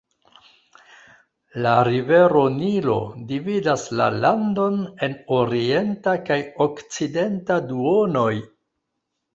La rivero Nilo dividas la landon en orienta kaj okcidenta duonoj.